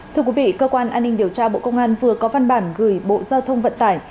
thưa quý vị cơ quan an ninh điều tra bộ công an vừa có văn bản gửi bộ giao thông vận tải